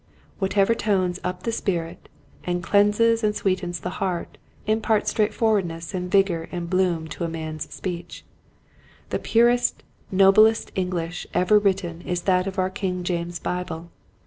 What ever tones up the spirit and cleanses and sweetens the heart imparts straightfor wardness and vigor and bloom to a man's speech. The purest, noblest English ever written is that of our King James's Bible.